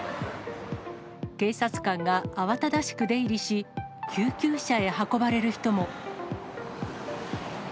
警察官が慌ただしく出入りし、救急車へ運ばれる人も。